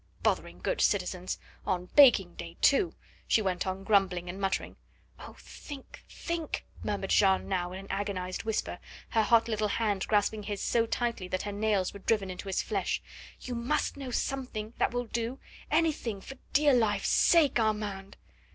"Bothering good citizens! On baking day, too!" she went on grumbling and muttering. "Oh, think think!" murmured Jeanne now in an agonised whisper, her hot little hand grasping his so tightly that her nails were driven into his flesh. "You must know something that will do anything for dear life's sake.... Armand!"